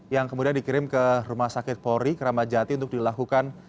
yang kemudian dikirim ke rumah sakit polri keramajati untuk dilaporkan